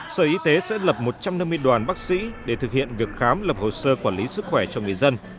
sở y tế sẽ lập một trăm năm mươi đoàn bác sĩ để thực hiện việc khám lập hồ sơ quản lý sức khỏe cho người dân